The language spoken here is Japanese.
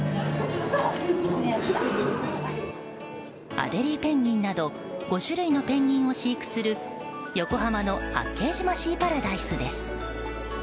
アデリーペンギンなど５種類のペンギンを飼育する横浜の八景島シーパラダイスです。